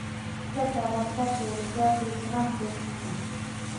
کله چې افغانستان کې ولسواکي وي زغم زیاتیږي.